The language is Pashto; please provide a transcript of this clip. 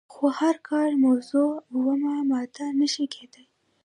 خو هره کاري موضوع اومه ماده نشي کیدای.